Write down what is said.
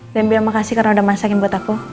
dan biar makasih karena udah masakin buat aku